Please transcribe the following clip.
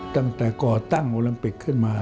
ก่อตั้งโอลิมปิกขึ้นมา